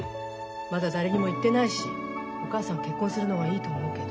まだ誰にも言ってないしお母さんは結婚するのがいいと思うけど。